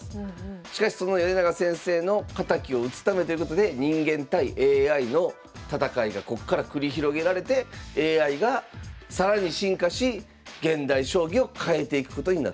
しかしその米長先生の敵を討つためということで人間対ＡＩの戦いがこっから繰り広げられてＡＩが更に進化し現代将棋を変えていくことになったと。